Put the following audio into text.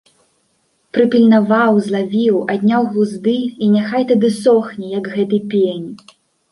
Прыпільнаваў, злавіў, адняў глузды і няхай тады сохне, як гэты пень!